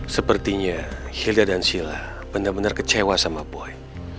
sepertinya hilda dan sila benar benar kecewa sama boy